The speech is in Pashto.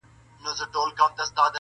ځکه دا ټوټې بې شمېره دي لوېدلي -